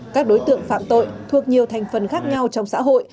các đối tượng phạm tội thuộc nhiều thành phần khác nhau trong xã hội